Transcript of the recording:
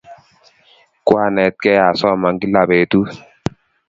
Kwanetkey asoman kila petut